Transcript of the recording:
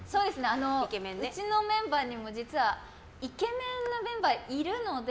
うちのメンバーにも実はイケメンのメンバーいるので。